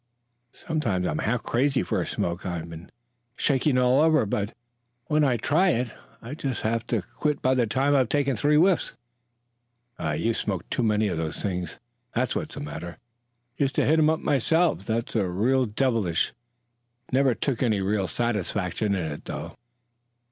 Sometimes I'm half crazy for a smoke I'm shaking all over; but when I try it I just have to quit by the time I've taken three whiffs." "You've smoked too many of those things, that's what's the matter. Used to hit 'em up myself; thought it real devilish. Never took any real satisfaction in it, though."